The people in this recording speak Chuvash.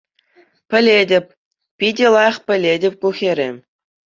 Пӗлетӗп... Питӗ лайӑх пӗлетӗп ку хӗре.